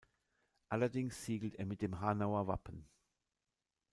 Allerdings siegelt er mit dem Hanauer Wappen.